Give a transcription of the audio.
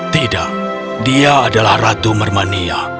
tidak dia adalah ratu mermania